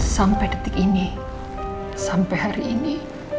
sampai detik ini sampai hari ini